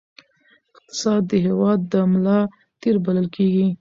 اقتصاد د هېواد د ملا تیر بلل کېږي.